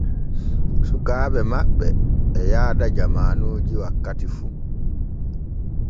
Sukaaɓe maɓɓe e yaada jamaanuji wakkati fu.